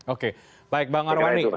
oke baik bang arwani